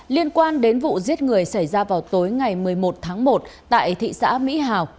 liên quan đến vụ giết người xảy ra vào tối ngày một mươi một tháng một tại thị xã mỹ hào